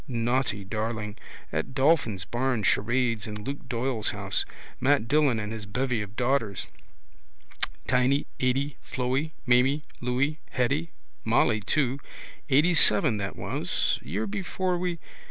Naughty darling. At Dolphin's barn charades in Luke Doyle's house. Mat Dillon and his bevy of daughters: Tiny, Atty, Floey, Maimy, Louy, Hetty. Molly too. Eightyseven that was. Year before we.